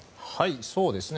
そうですね。